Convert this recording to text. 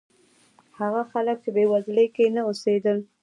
هغه خلک چې بېوزلۍ کې نه اوسېدل.